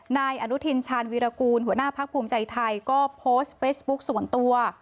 นายอนุทินชาญวีรกูลหัวหน้าพักภูมิใจไทยก็โพสต์เฟซบุ๊คส่วนตัว